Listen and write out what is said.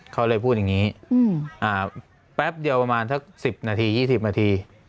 เขาเลยพูดอย่างนี้อ่าแป๊บเดียวประมาณถ้าสิบนาทียี่สิบนาที